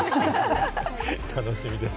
楽しみです。